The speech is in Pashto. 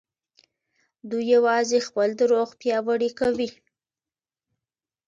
دوی يوازې خپل دروغ پياوړي کوي.